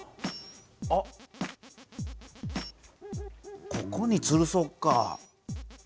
あっここにつるそうか。